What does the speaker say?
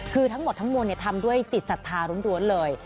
คือทั้งหมดทั้งมวลเนี่ยทำด้วยจิตศรรษ์ร้วมรวมเลย